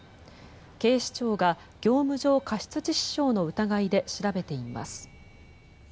警視庁が業務上過失致死傷の疑いで調べています。